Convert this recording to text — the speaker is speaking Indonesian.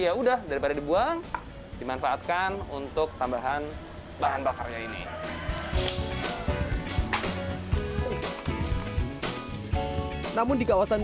ya udah daripada dibuang dimanfaatkan untuk tambahan bahan bakarnya ini namun di kawasan